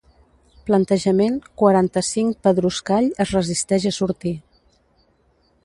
Plantejament quaranta-cinc pedruscall es resisteix a sortir.